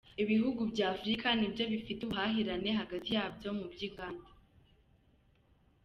Ibihugu bya Afurika ni byo bifite ubuhahirane hagati yabyo mu by’inganda